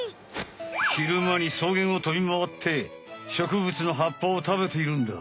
昼間に草原を飛びまわってしょくぶつの葉っぱをたべているんだ。